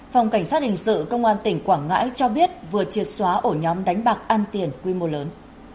phòng cảnh sát hình sự công an tỉnh quảng ngãi cho biết vừa triệt xóa ổ nhóm đánh bạc ăn tiền quy mô lớn